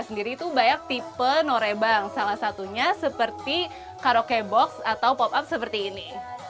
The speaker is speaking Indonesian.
sendiri itu banyak tipe norebang salah satunya seperti karaoke box atau pop up seperti ini